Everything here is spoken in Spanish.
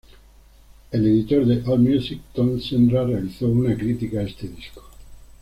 El editor de Allmusic, Tom Sendra, realizó una crítica a este disco.